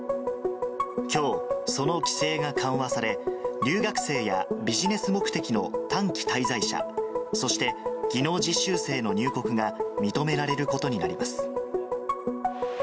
きょう、その規制が緩和され、留学生やビジネス目的の短期滞在者、そして技能実習生の入国が認められることになります。